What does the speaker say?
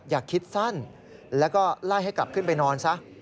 อย่าคิดสั้นแล้วก็ไล่ให้กลับขึ้นไปนอนซะ